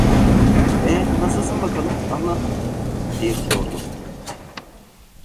E, nasılsın bakalım, anlat! diye sordu.